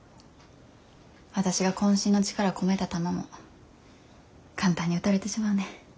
私がこん身の力込めた球も簡単に打たれてしまうねん。